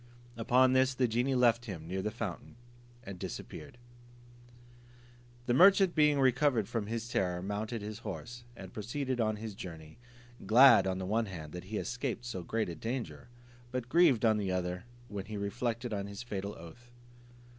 Upon this the genie left him near the fountain, and disappeared. The merchant being recovered from his terror, mounted his horse, and proceeded on his journey, glad on the one hand that he had escaped so great a danger, but grieved on the other, when he reflected on his fatal oath.